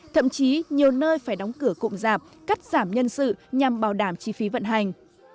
thậm chí nhiều nơi phải đóng cửa cụm rạp cắt giảm nhân sự nhằm bảo đảm chi phí vận hành